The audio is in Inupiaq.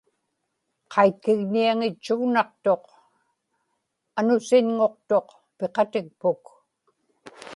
qaitqigñiaŋitchugnaqtuq; anusiñŋuqtuq piqatikpuk